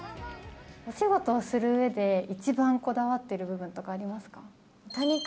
お仕事をするうえで一番こだわっている部分とかありますか？